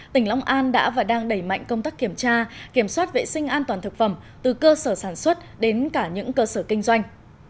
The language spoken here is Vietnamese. tỉnh long an đã và đang đẩy mạnh công tác kiểm tra kiểm soát vệ sinh an toàn thực phẩm từ cơ sở sản xuất đến cả những cơ sở kinh doanh